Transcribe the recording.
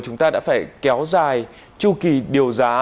chúng ta đã phải kéo dài tru kỳ điều giá